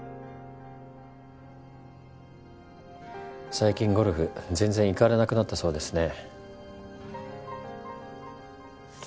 最近ゴルフ全然行かれなくなったそうですね。